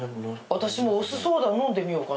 私お酢ソーダ飲んでみようかな。